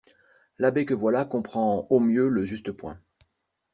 L'abbé que voilà comprend au mieux le juste point.